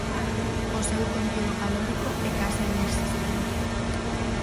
O seu contido calórico é case inexistente.